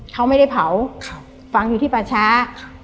เขาไม่ได้เผาฝังอยู่ที่ป่าช้า